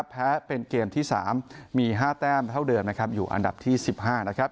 แพ้เป็นเกมที่๓มี๕แต้มเท่าเดิมนะครับอยู่อันดับที่๑๕นะครับ